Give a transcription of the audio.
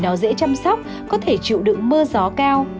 trồng rãi vì nó dễ chăm sóc có thể chịu đựng mưa gió cao